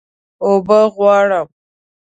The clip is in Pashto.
اوبه غواړم